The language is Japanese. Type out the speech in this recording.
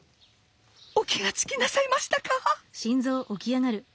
お気が付きなさいましたか？